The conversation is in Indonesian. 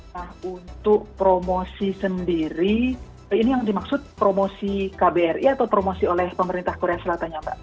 nah untuk promosi sendiri ini yang dimaksud promosi kbri atau promosi oleh pemerintah korea selatan ya mbak